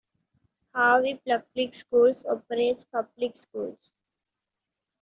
Harvey Public Schools operates public schools.